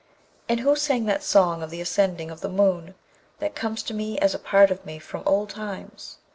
And who sang that song of the ascending of the moon, that comes to me as a part of me from old times?'